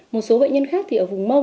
một số bệnh nhân khác thì ở vùng mông